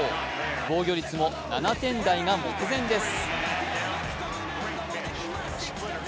防御率も７点台が目前です。